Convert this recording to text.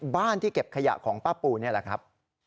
ที่เก็บขยะของป้าปูนี่แหละครับ